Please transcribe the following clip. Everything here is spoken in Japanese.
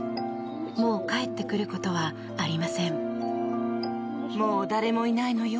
もう帰ってくることはありません。